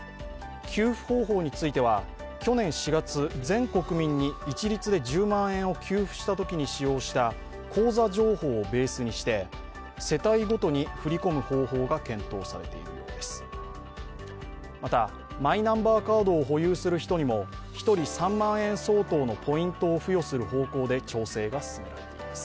給付方法については去年４月全国民に一律で１０万円を給付したときに使用した口座情報をベースにして世帯ごとに振り込む方法が検討されているようです。